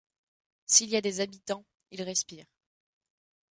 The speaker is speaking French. S’il y a des habitants, ils respirent.